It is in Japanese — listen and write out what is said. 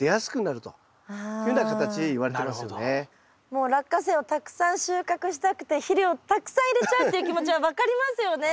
もうラッカセイをたくさん収穫したくて肥料たくさん入れちゃうっていう気持ちは分かりますよね。